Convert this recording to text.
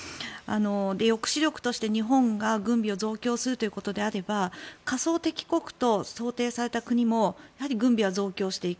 抑止力として日本が軍備を増強するということであれば仮想敵国と想定された国も軍備は増強していく。